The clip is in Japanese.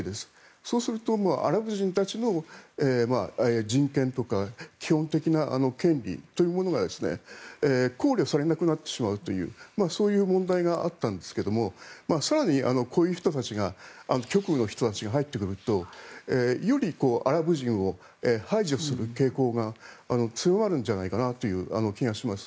そうするとアラブ人たちの人権とか基本的な権利というものが考慮されなくなってしまうというそういう問題があったんですが更に、こういう人たちが極右の人たちが入ってくるとよりアラブ人を排除する傾向が強まるんじゃないかなという気がします。